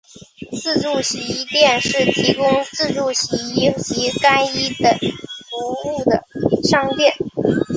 自助洗衣店是提供自助洗衣及干衣等服务的商店。